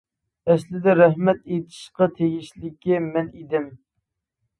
ئەسلىدە رەھمەت ئېيتىشقا تېگىشلىكى مەن ئىدىم.